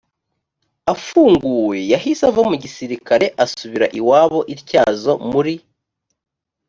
afunguwe yahise ava mu gisirikare asubira iwabo i ntyazo muri